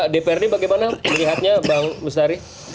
dprd bagaimana melihatnya bang mustari